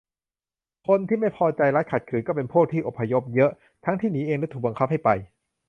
คนที่ไม่พอใจรัฐ ขัดขืน ก็เป็นอีกพวกที่อพยพเยอะ ทั้งที่หนีเองและถูกบังคับให้ไป